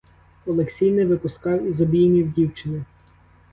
Олексій не випускав із обіймів дівчини.